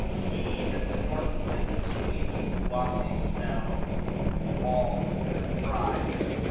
Keen as the north wind sweeps the glossy snow. All is their prize.